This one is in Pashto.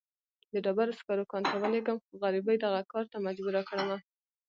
د ډبرو سکرو کان ته ولېږم، خو غريبۍ دغه کار ته مجبوره کړمه.